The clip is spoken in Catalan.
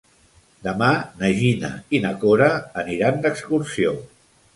Demà na Gina i na Cora aniran d'excursió.